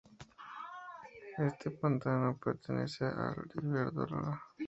Este pantano pertenece a Iberdrola.